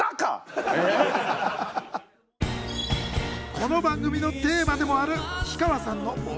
この番組のテーマでもある氷川さんのおもてなし！